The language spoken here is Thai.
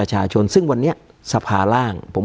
การแสดงความคิดเห็น